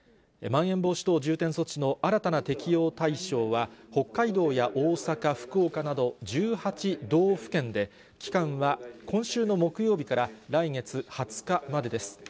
まん延防止等重点措置の新たな適用対象は、北海道や大阪、福岡など１８道府県で、期間は今週の木曜日から来月２０日までです。